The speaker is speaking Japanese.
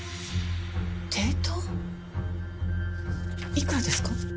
いくらですか？